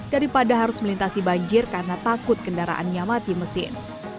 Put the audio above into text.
daripada harus melintasi banjir karena takut kendaraannya mati mesin